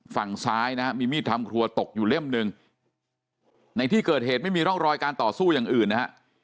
ฝั่งซ้ายนะฮะมีมีดทำครัวตกอยู่เล่มหนึ่งในที่เกิดเหตุไม่มีร่องรอยการต่อสู้อย่างอื่นนะฮะ